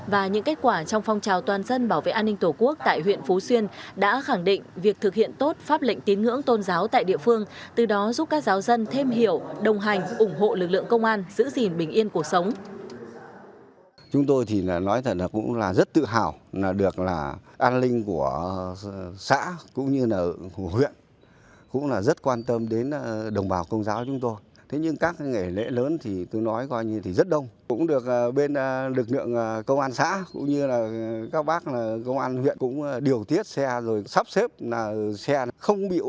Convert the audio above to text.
và những kết quả trong phong trào toàn dân bảo vệ an ninh tổ quốc tại huyện phú xuyên đã khẳng định việc thực hiện tốt pháp lệnh tín ngưỡng tôn giáo tại địa phương từ đó giúp các giáo dân thêm hiểu đồng hành ủng hộ lực lượng công an giữ gìn bình yên cuộc sống